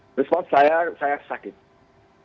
tapi responsnya oliver sendiri saat itu seperti apa